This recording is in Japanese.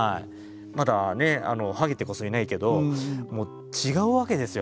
まだハゲてこそいないけどもう違うわけですよ